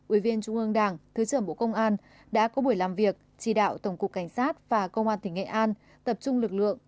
ủy viên trung ương đảng thứ trưởng bộ công an đã có buổi làm việc chỉ đạo tổng cục cảnh sát và công an tỉnh nghệ an tập trung lực lượng